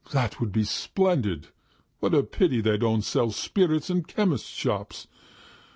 "That would be splendid. What a pity they don't sell spirits in chemist's shops!